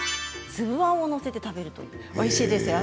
粒あんを載せて食べるということですね。